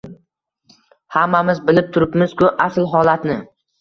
Hammamiz bilib turibmizku asl holatni.